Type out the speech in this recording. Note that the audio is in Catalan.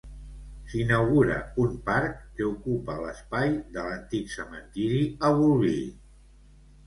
S'inaugura un parc que ocupa l'espai de l'antic cementiri a Bolvir.